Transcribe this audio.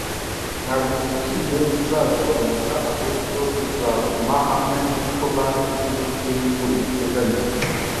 ntabwo ibiciro bizagabanuka ahubwo bizaguma hamwe nkuko Banki nkuru y’igihugu ibiteganya